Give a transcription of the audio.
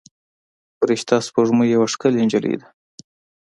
فرشته سپوږمۍ یوه ښکلې نجلۍ ده.